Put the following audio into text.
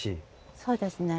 そうですね。